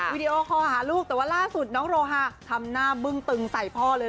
วิดีโอคอลหาลูกแต่ว่าล่าสุดน้องโรฮาทำหน้าบึ้งตึงใส่พ่อเลย